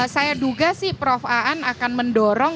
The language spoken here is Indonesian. saya duga sih prof aan akan mendorong